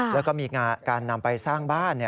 แล้วก็มีการนำไปสร้างบ้าน